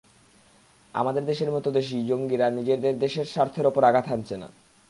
আমাদের দেশের মতো দেশি জঙ্গিরা নিজের দেশের স্বার্থের ওপর আঘাত হানছে না।